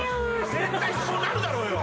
絶対そうなるだろうよ。